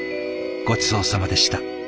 ごちそうさまでした。